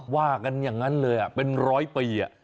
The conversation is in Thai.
ว่ากันอย่างนั้นเลยเป็นร้อยปี